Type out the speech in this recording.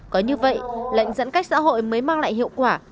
có như vậy lệnh giãn cách xã hội mới mang lại hiệu quả